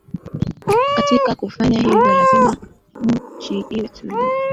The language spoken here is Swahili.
Katika kufanya hivyo lazima nchi iwe tulivu